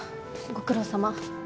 ご苦労さま。